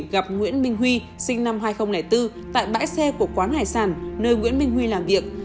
gặp nguyễn minh huy sinh năm hai nghìn bốn tại bãi xe của quán hải sản nơi nguyễn minh huy làm việc